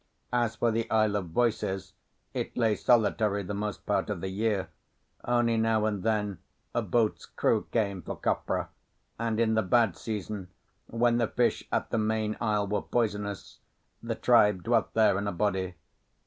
As for the Isle of Voices, it lay solitary the most part of the year; only now and then a boat's crew came for copra, and in the bad season, when the fish at the main isle were poisonous, the tribe dwelt there in a body.